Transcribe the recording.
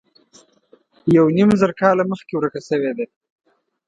یو نیم زر کاله مخکې ورکه شوې ده.